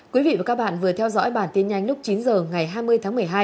quý vị và các bạn vừa theo dõi bản tin nhanh lúc chín h ngày hai mươi tháng một mươi hai